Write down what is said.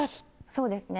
そうですね。